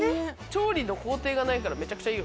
調理の工程がないからめちゃくちゃいいよね。